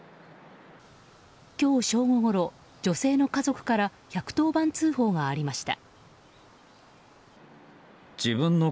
今日正午ごろ女性の家族から１１０番通報がありました。